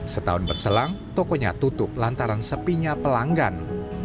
setahun berselang tokonya tutup lantaran sepinya pelanggan